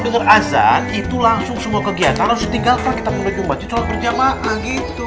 denger azan itu langsung semua kegiatan yang setinggalkan kita membeli wajib soal berjamaah gitu